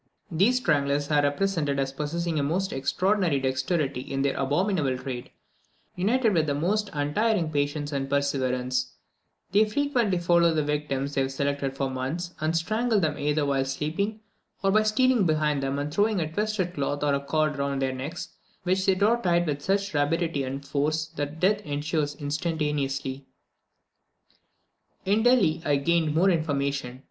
These stranglers are represented as possessing a most extraordinary dexterity in their abominable trade, united with the most untiring patience and perseverance; they frequently follow the victims they have selected for months, and strangle them either while sleeping, or by stealing behind them and throwing a twisted cloth or a cord round their necks, which they draw tight with such rapidity and force that death ensues instantaneously. In Delhi, I gained more information.